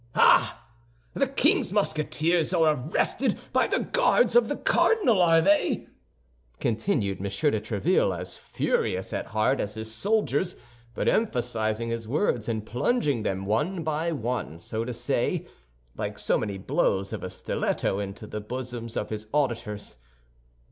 "Ah! The king's Musketeers are arrested by the Guards of the cardinal, are they?" continued M. de Tréville, as furious at heart as his soldiers, but emphasizing his words and plunging them, one by one, so to say, like so many blows of a stiletto, into the bosoms of his auditors.